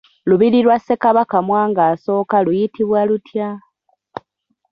Lubiri lwa Ssekabaka Mwanga I luyitibwa lutya?